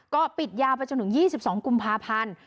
ก็ปิดยาวไปจนถึง๒๒กุมภาพันธ์